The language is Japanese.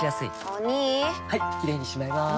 お兄はいキレイにしまいます！